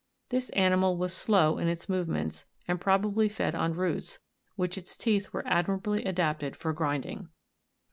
This animal was slow in its movements, and probably fed on roots, which its teeth were admirably adapted for grinding.